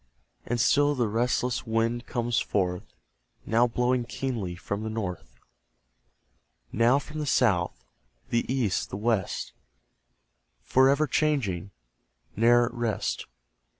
And still the restless wind comes forth, Now blowing keenly from the North; Now from the South, the East, the West, For ever changing, ne'er at rest.